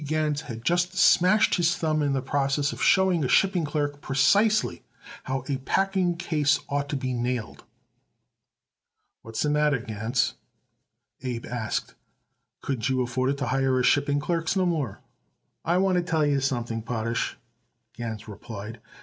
Gans had just smashed his thumb in the process of showing a shipping clerk precisely how a packing case ought to be nailed. "What's the matter, Gans?" Abe asked. "Couldn't you afford it to hire shipping clerks no more?" "I want to tell you something, Potash," Gans replied.